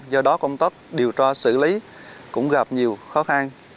do đó công tóc điều tra xử lý cũng gặp nhiều khó khăn